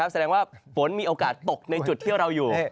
แสดงว่าฝนมีโอกาสตกในจุดที่เราอยู่